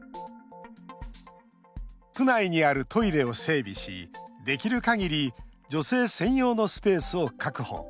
区内にあるトイレを整備しできるかぎり女性専用のスペースを確保。